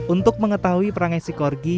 untuk mengetahui perangai si korgi